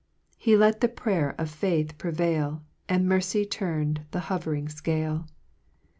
He let the prayer of faith prevail, And mercy turn'd the hov'ring fcalc.